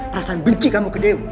perasaan benci kamu ke dewa